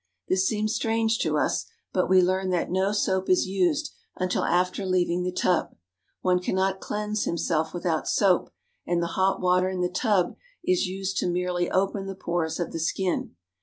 This seems strange to us, but we learn that no soap is used until after leaving the tub. One cannot cleanse himself without soap, and the hot water in the tub is used merely to open the pores of the skin.